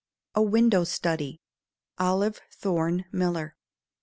A WINDOW STUDY. OLIVE THORNE MILLER.